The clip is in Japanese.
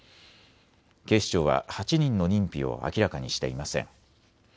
警視庁は８人の認否を明らかにしていません。